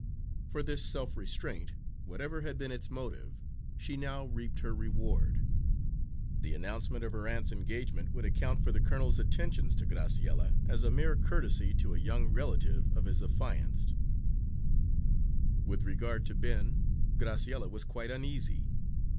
For this self restraint, whatever had been its motive, she now reaped her reward. The announcement of her aunt's engagement would account for the colonel's attentions to Graciella as a mere courtesy to a young relative of his affianced. With regard to Ben, Graciella was quite uneasy.